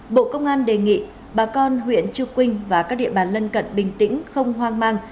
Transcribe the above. bộ công an đề nghị bà con huyện chư quynh và các địa bàn lân cận bình tĩnh không hoang mang